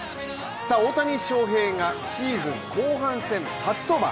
大谷翔平がシーズン後半戦初登板。